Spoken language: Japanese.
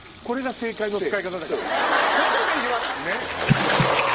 これが正解の使い方よ。